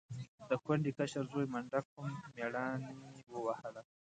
د کونډې کشر زوی منډک هم مېړانې ووهله.